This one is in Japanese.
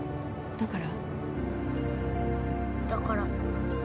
だから。